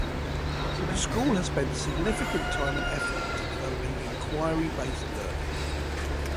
The school has spent significant time and effort into developing Inquiry Based Learning.